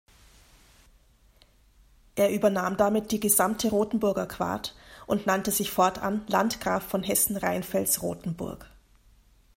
Er übernahm damit die gesamte Rotenburger Quart und nannte sich fortan Landgraf von Hessen-Rheinfels-Rotenburg.